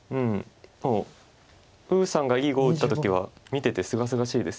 呉さんがいい碁を打った時は見ててすがすがしいです。